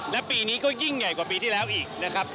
และปีนี้ก็ยิ่งใหญ่กว่าปีที่แล้วอีกนะครับ